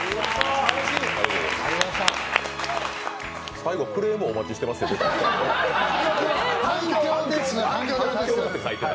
最後、「クレームお待ちしています」って出た？